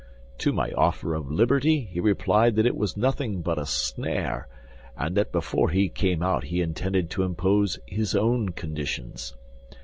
To my offer of liberty, he replied that it was nothing but a snare, and that before he came out he intended to impose his own conditions.